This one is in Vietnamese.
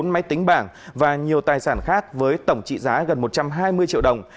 bốn máy tính bảng và nhiều tài sản khác với tổng trị giá gần một trăm hai mươi triệu đồng